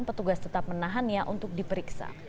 petugas tetap menahannya untuk diperiksa